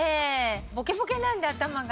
ボケボケなんで頭が。